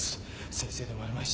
先生でもあるまいし。